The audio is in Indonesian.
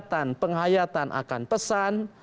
karena penghayatan akan pesan